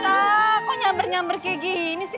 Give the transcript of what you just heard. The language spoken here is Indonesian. wah kok nyamber nyamber kayak gini sih